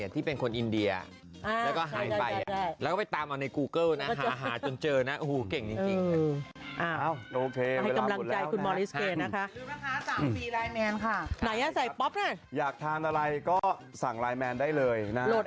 แอคกี้ยืนคู่ไปเลย